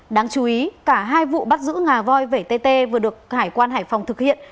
đáng chú ý cả hai vụ bắt giữ ngà voi vẩy tt vừa được hải quan hải phòng thực hiện